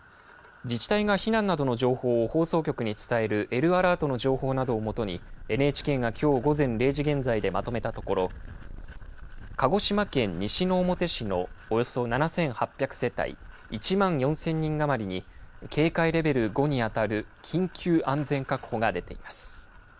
自治体が避難などの情報を放送局に伝えるＬアラートの情報などを基にＮＨＫがきょう午前０時現在でまとめたところ鹿児島県西之表市のおよそ７８００世帯１万４０００人余りに警戒レベル５に当たる緊急安全確保が出ています。